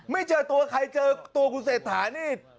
ไม่เจอตัวใครเจอตัวคุณเศรษฐานี่